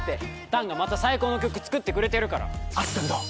弾がまた最高の曲作ってくれてるから・あすぴょんどう？